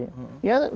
ya saya nggak tahu